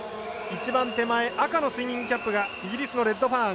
一番手前赤のスイミングキャップがイギリスのレッドファーン。